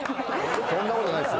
そんなことないですよ。